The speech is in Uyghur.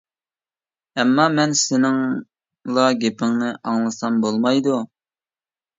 ئەمما مەن سېنىڭلا گېپىڭنى ئاڭلىسام بولمايدۇ.